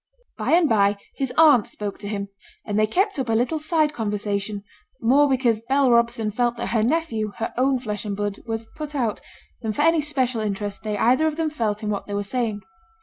By and by, his aunt spoke to him, and they kept up a little side conversation, more because Bell Robson felt that her nephew, her own flesh and blood, was put out, than for any special interest they either of them felt in what they were saying.